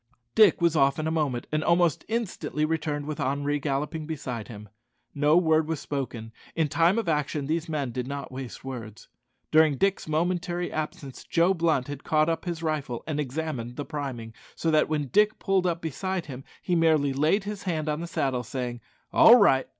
Dick was off in a moment, and almost instantly returned with Henri galloping beside him. No word was spoken. In time of action these men did not waste words. During Dick's momentary absence, Joe Blunt had caught up his rifle and examined the priming, so that when Dick pulled up beside him he merely laid his hand on the saddle, saying, "All right!"